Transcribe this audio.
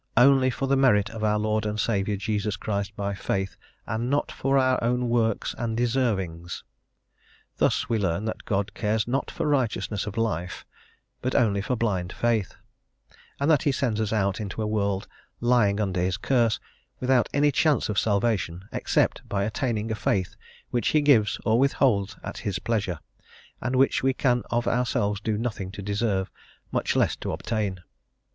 only for the merit of our Lord and Saviour Jesus Christ by Faith, and not for our own works and' deservings." Thus we learn that God cares not for righteousness of life, but only for blind faith, and that he sends us out into a world lying under his curse, without any chance of salvation except by attaining a faith which he gives or withholds at his pleasure, and which we can of ourselves do nothing to deserve, much less to obtain.